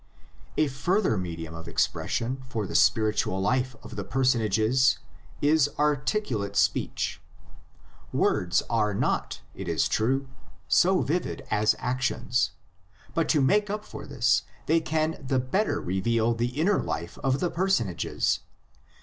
A further medium of expression for the spiritual life of the personages is articulate speech. Words are not, it is true, so vivid as actions, but to make up for this they can the better reveal the inner life of the personages.